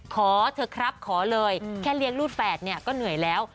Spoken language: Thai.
ขอเถอะครับขอเลยแค่เลี้ยงลูกแฝดเนี่ยก็เหนื่อยแล้ว